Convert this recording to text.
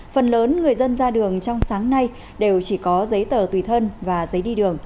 phần lớn người dân ra đường trong sáng nay đều chỉ có giấy tờ tùy thân và giấy đi đường